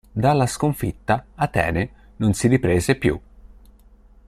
Dalla sconfitta Atene non si riprese più.